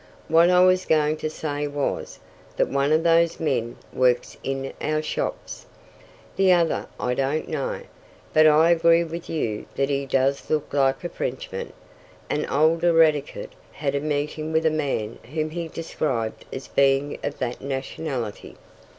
"What I was going to say was, that one of those men works in our shops. The other I don't know, but I agree with you that he does look like a Frenchman, and old Eradicate had a meeting with a man whom he described as being of that nationality."